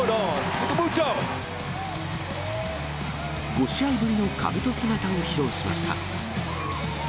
５試合ぶりのかぶと姿を披露しました。